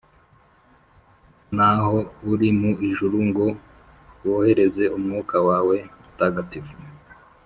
n’aho uri mu ijuru ngo wohereze Umwuka wawe mutagatifu?